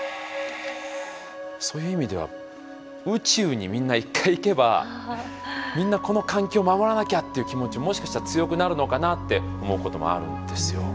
そういう意味では宇宙にみんな一回行けばみんなこの環境を守らなきゃっていう気持ちもしかしたら強くなるのかなって思うこともあるんですよ。